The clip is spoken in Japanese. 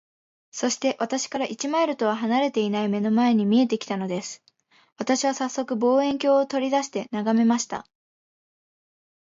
そして、私から一マイルとは離れていない眼の前に見えて来たのです。私はさっそく、望遠鏡を取り出して眺めました。